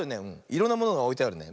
いろんなものがおいてあるね。